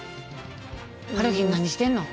はるひ何してんの？